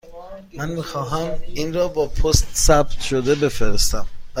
من می خواهم این را با پست ثبت شده بفرستم.